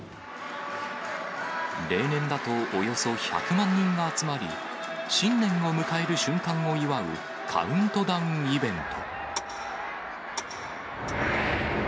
例年だと、およそ１００万人が集まり、新年を迎える瞬間を祝うカウントダウンイベント。